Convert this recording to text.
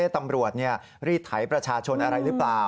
ตำรวจรีดไถประชาชนอะไรหรือเปล่า